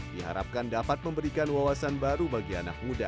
diharapkan dapat memberikan wawasan baru bagi anak muda